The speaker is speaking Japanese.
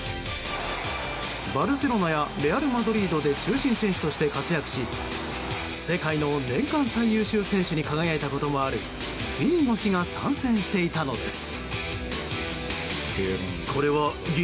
バルセロナやレアル・マドリードで中心選手として活躍し世界の年間最優秀選手に輝いたこともあるフィーゴ氏が参戦していたのです。